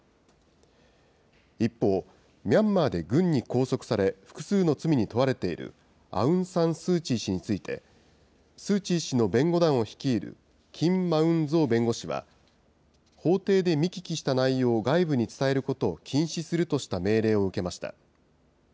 一方、ミャンマーで軍に拘束され、複数の罪に問われているアウン・サン・スー・チー氏について、スーチー氏の弁護団を率いる、キン・マウン・ゾー弁護士は、法廷で見聞きした内容を外部に伝えることを禁止するとした命令を受けました。